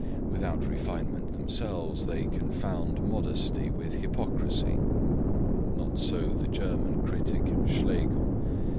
Without refinement themselves, they confound modesty with hypocrisy. Not so the German critic, Schlegel.